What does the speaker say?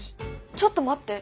ちょっと待って。